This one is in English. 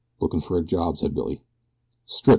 "Lookin' for a job," said Billy. "Strip!"